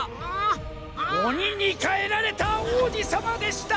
「おににかえられたおうじさまでした」。